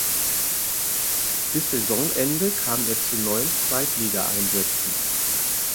Bis Saisonende kam er zu neun Zweitligaeinsätzen.